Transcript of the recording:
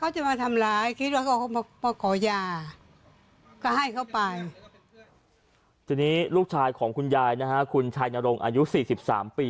ทีนี้ลูกชายของคุณยายนะฮะคุณชัยนรงอายุ๔๓ปี